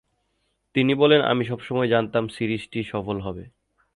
তিনি বলেন, আমি সবসময় জানতাম সিরিজটি সফল হবে।